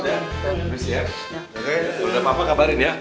gak ada apa apa kabarin ya